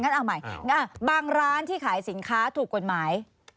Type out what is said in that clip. เอาใหม่บางร้านที่ขายสินค้าถูกกฎหมาย